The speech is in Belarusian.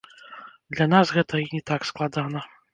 Для нас гэта і не так складана.